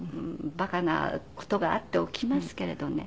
馬鹿な事があって起きますけれどね